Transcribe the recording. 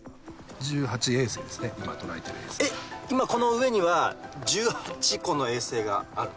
今この上には１８個の衛星があるんですか？